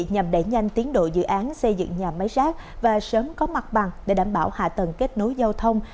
nhằm đẩy nhanh tiến độ dự án xây dựng nhà máy rác và sớm có mặt bằng để đảm bảo hạ tầng kết nối giao thông